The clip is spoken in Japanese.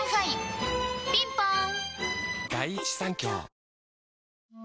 ピンポーン